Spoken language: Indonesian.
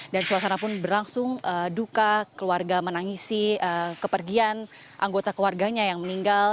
dan suasana pun berlangsung duka keluarga menangisi kepergian anggota keluarganya yang meninggal